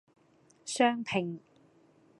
雙拼